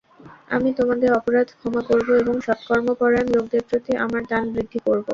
আমি তোমাদের অপরাধ ক্ষমা করব এবং সৎকর্মপরায়ণ লোকদের প্রতি আমার দান বৃদ্ধি করব।